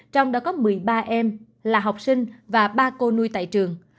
trong đó có một mươi ba em là học sinh và ba cô nuôi tại trường